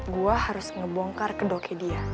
gua harus ngebongkar kedoke dia